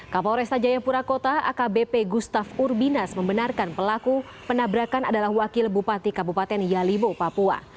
kapolresta jayapura kota akbp gustaf urbinas membenarkan pelaku penabrakan adalah wakil bupati kabupaten yalibo papua